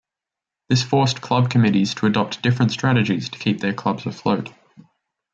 This forced club committees to adopt different strategies to keep their clubs afloat.